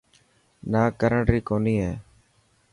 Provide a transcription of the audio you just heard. نا ڪرڻي ڪونهي هي.